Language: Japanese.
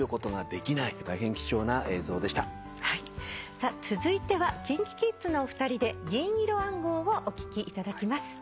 さあ続いてはＫｉｎＫｉＫｉｄｓのお二人で『銀色暗号』をお聴きいただきます。